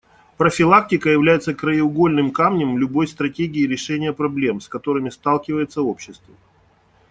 Профилактика является краеугольным камнем любой стратегии решения проблем, с которыми сталкивается общество.